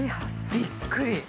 びっくり。